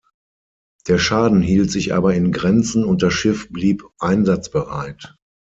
Der Schaden hielt sich aber in Grenzen und das Schiff blieb einsatzbereit.